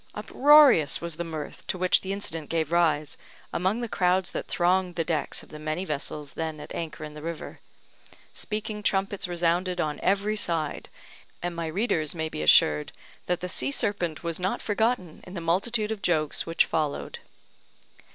Uproarious was the mirth to which the incident gave rise among the crowds that thronged the decks of the many vessels then at anchor in the river. Speaking trumpets resounded on every side; and my readers may be assured that the sea serpent was not forgotten in the multitude of jokes which followed.